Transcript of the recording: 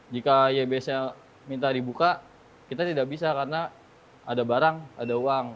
jika ybs nya minta dibuka kita tidak bisa karena ada barang ada uang